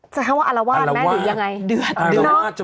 ใช้คำว่าอารวาสแม่หรือยังไง